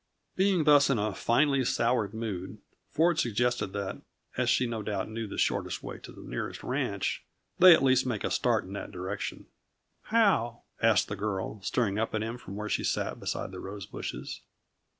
Being thus in a finely soured mood, Ford suggested that, as she no doubt knew the shortest way to the nearest ranch, they at least make a start in that direction. "How?" asked the girl, staring up at him from where she sat beside the rose bushes.